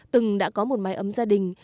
từng đã có một mái ấm gia đình